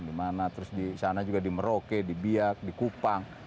di mana terus di sana juga di merauke di biak di kupang